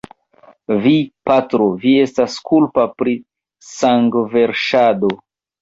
Vi, patro, vi estas kulpa pri sangverŝado!